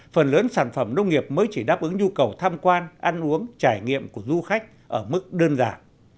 phần lớn sản phẩm nông nghiệp mới chỉ đáp ứng nhu cầu tham quan ăn uống trải nghiệm của du khách ở mức đơn giản